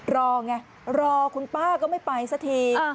รอไงรอคุณป้าก็ไม่ไปสักที